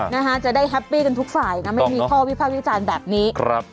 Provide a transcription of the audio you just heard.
นะฮะจะได้แฮปปี้กันทุกฝ่ายนะไม่มีข้อวิพากษ์วิจารณ์แบบนี้ครับ